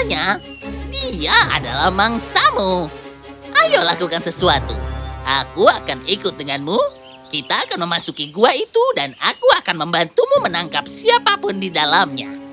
rasanya dia adalah mangsamu ayo lakukan sesuatu aku akan ikut denganmu kita akan memasuki gua itu dan aku akan membantumu menangkap siapapun di dalamnya